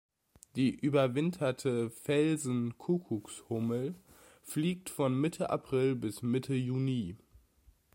Die überwinterte Felsen-Kuckuckshummel fliegt von Mitte April bis Mitte Juni.